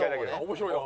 面白いな。